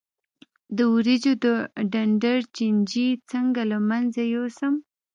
د وریجو د ډنډر چینجی څنګه له منځه یوسم؟